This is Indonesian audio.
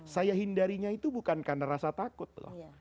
saya hindarinya itu bukan karena rasa takut loh